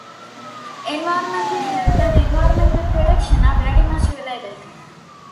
Environmental health and environmental protection are very much related.